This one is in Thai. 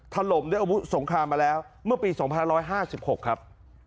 ถล่มด้วยอาวุธสงครามมาแล้วเมื่อปี๒๕๕๖ครับ